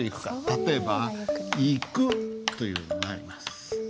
例えば「行く」というのがあります。